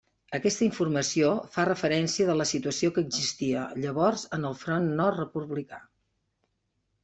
Aquesta informació fa referència de la situació que existia llavors en el Front Nord republicà.